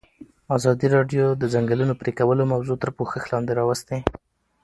ازادي راډیو د د ځنګلونو پرېکول موضوع تر پوښښ لاندې راوستې.